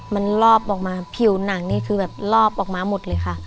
มันลอบออกมาผิวหนังนี่คือแบบรอบออกมาหมดเลยค่ะ